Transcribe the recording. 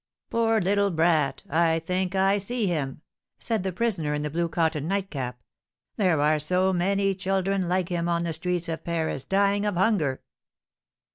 "Poor little brat! I think I see him!" said the prisoner in the blue cotton nightcap; "there are so many children like him on the streets of Paris dying of hunger!"